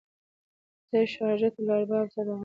زه شارجه ته له ارباب سره راغلم.